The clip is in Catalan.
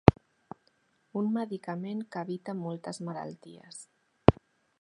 Un medicament que evita moltes malalties.